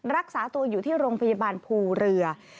รักษาตัวอยู่ที่โรงพยาบาลภูเรือ